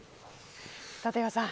立岩さん